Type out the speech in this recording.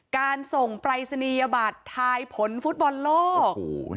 การส่งปรายศนียบัตรทายผลฟุตบอลโลก